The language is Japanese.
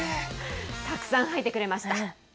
たくさん吐いてくれました。